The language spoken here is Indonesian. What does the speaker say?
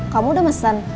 kamu udah mesen